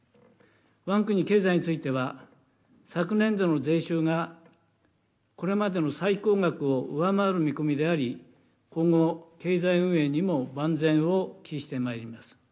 わが国経済については、昨年度の税収がこれまでの最高額を上回る見込みであり、今後、経済運営にも万全を期してまいります。